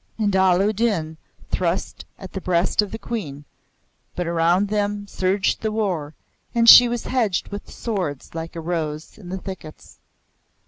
And Allah u Din thrust at the breast of the Queen; but around them surged the war, and she was hedged with swords like a rose in the thickets.